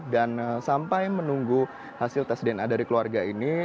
dan sampai menunggu hasil tes dna dari keluarga ini